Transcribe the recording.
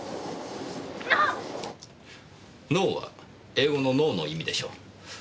「ノ」は英語の「ノー」の意味でしょう。